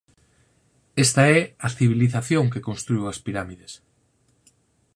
Esta é a civilización que construíu as pirámides.